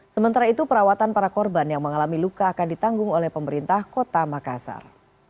sementara itu perawatan para korban yang mengalami luka akan ditanggung oleh pemerintah kota makassar